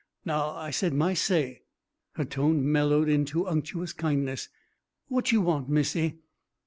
Now I said my say" her tone mellowed into unctuous kindness "what you want, Missy?